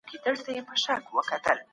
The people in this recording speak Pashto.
د بیوزلو مشکل حل کول ثواب لري.